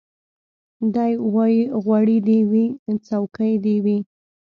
دی وايي غوړي دي وي څوکۍ دي وي